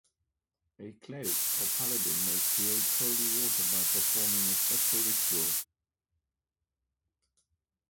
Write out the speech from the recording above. A cleric or paladin may create holy water by performing a special ritual.